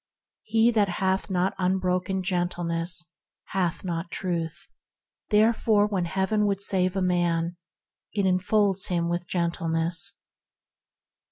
He that hath not unbroken gentleness hath not Truth: "Therefore when Heaven would save a man, it enfolds him with gentleness."